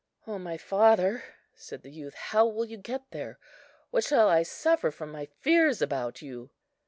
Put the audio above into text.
"O my father," said the youth, "how will you get there? What shall I suffer from my fears about you?"